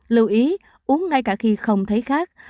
lưu ý uống ngay cả khi không thấy khát